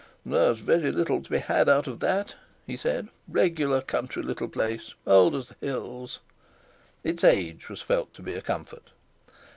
"There's very little to be had out of that," he said; "regular country little place, old as the hills...." Its age was felt to be a comfort.